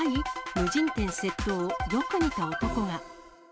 無人店窃盗、よく似た男が。